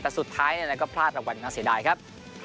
แต่สุดท้ายก็พลาดรางวัลน่าเสียดายครับ